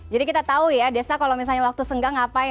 jadi kita tahu ya desa kalau misalnya waktu senggang ngapain